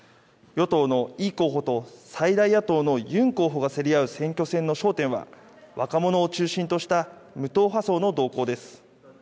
与党のイ候補と、最大野党のユン候補が競り合う選挙戦の焦点は、若者を中心とした無党派層の動向です。